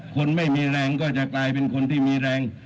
คนไม่มีแรงก็จะกลายเป็นคนที่มีแรง